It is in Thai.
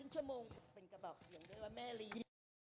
ที่เขาบอกว่าแม่นี่